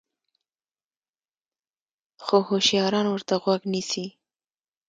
خو هوشیاران ورته غوږ نیسي.